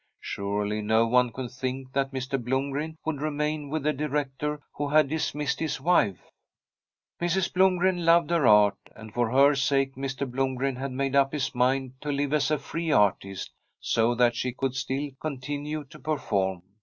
Surely no one could think that Mr. Blomgren would remain with a directeur who had dismissed his wife I Mrs. Blomgren loved her art, and for her sake Mr. Blomgren had made up his mind to live as a free artist, so that she could still continue to per form.